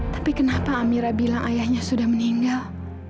tapi kenapa amira bilang ayahnya sudah meninggal